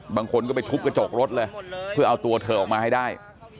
บางคนก็ไปทุบกระจกรถเลยเพื่อเอาตัวเธอออกมาให้ได้